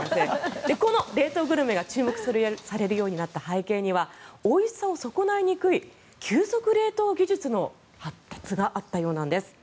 この冷凍グルメが注目されるようになった背景にはおいしさを損ないにくい急速冷凍技術の発達があったようなんです。